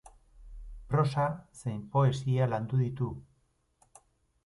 Prosa zein poesia landu ditu.